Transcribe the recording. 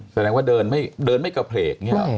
แสดงว่าเดินไม่กระเพลก